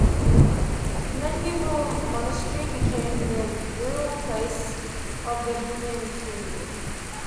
The medieval monastery became the burial place of Bohemian kings.